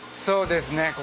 そうですね。